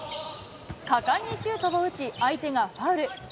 果敢にシュートを打ち、相手がファウル。